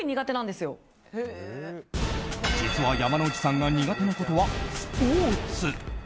実は、山之内さんが苦手なことはスポーツ。